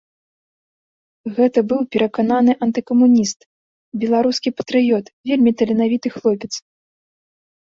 Гэта быў перакананы антыкамуніст, беларускі патрыёт, вельмі таленавіты хлопец.